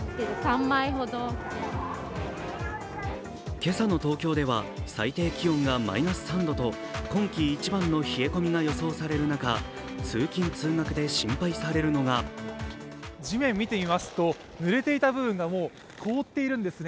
今朝の東京では最低気温がマイナス３度と今季一番の冷え込みが予想される中、通勤・通学で心配されるのが地面、見てみますと、ぬれていた部分が凍っているんですね。